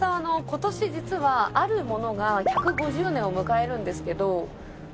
今年実はあるものが１５０年を迎えるんですけど。